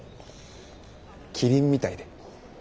キリンみたいで。